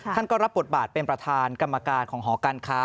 ท่านก็รับบทบาทเป็นประธานกรรมการของหอการค้า